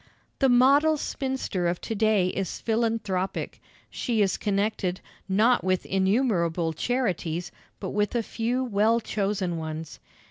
The model spinster of to day is philanthropic. She is connected, not with innumerable charities, but with a few well chosen ones.